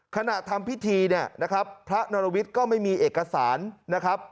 ขณะทำพิธีเนี่ยนะครับพระนรวิทย์ก็ไม่มีเอกสารนะครับ